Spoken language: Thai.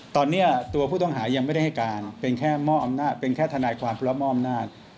ตอนนี้ตัวผู้ต้องหายังไม่ได้ให้การเป็นแค่มอบอำนาจเป็นแค่ทนายความและมอบอำนาจ